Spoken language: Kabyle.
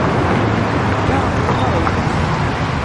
Yedda ɣer tneɣrit.